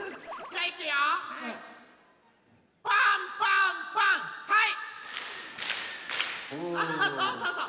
あそうそうそう。